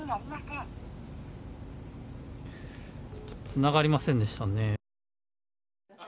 つながりませんでしたね。